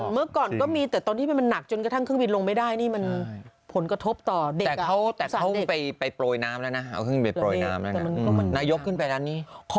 เมื่อก็มีแต่เมื่อก่อนมันหนักจนกระทั่งเครื่องบินลงไม่ได้